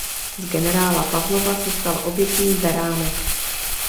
Z generála Pavlova se stal obětní beránek.